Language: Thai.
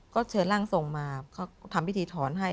ก็เชิญร่างทรงมาเขาทำพิธีถอนให้